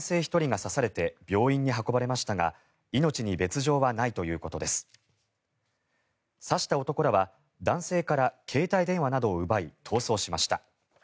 刺した男らは男性から携帯電話などを奪い逃走しました。